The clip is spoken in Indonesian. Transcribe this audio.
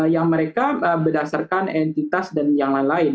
yang mereka berdasarkan entitas dan yang lain lain